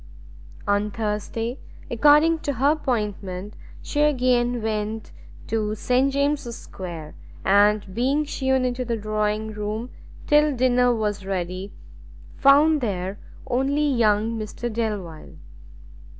On Thursday, according to her appointment, she again went to St James' Square, and being shewn into the drawing room till dinner was ready, found there only young Mr Delvile.